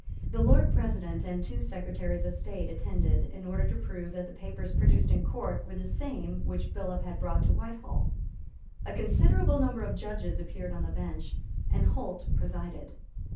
The Lord President and the two Secretaries of State attended in order to prove that the papers produced in Court were the same which Billop had brought to Whitehall. A considerable number of judges appeared on the bench; and Holt presided.